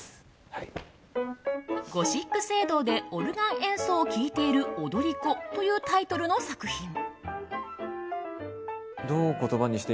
「ゴシック聖堂でオルガン演奏を聞いている踊り子」というタイトルの作品。